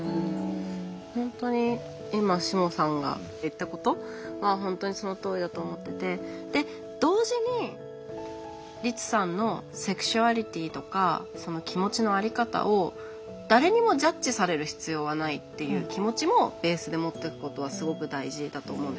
本当に今下さんが言ったことは本当にそのとおりだと思っててで同時にリツさんのセクシュアリティーとかその気持ちのあり方を誰にもジャッジされる必要はないっていう気持ちもベースで持っておくことはすごく大事だと思うんですよ。